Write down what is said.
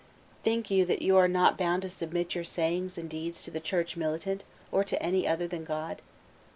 "Think you that you are not bound to submit your sayings and deeds to the Church militant or to any other than God?"